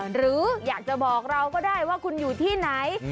หรืออยากจะบอกเราก็ได้ว่าคุณอยู่ที่ไหน